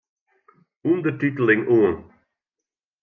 Undertiteling oan.